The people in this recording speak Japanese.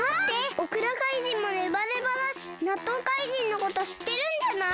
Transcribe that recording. オクラかいじんもネバネバだしなっとうかいじんのことしってるんじゃない？